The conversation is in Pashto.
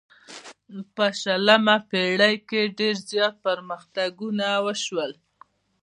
په شلمه پیړۍ کې ډیر زیات پرمختګونه وشول.